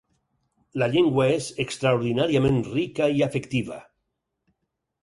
La llengua és extraordinàriament rica i afectiva.